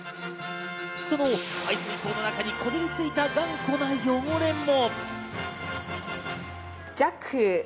その排水口の中にこびりついた頑固な汚れも。